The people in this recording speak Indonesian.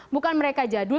bukan mereka jadul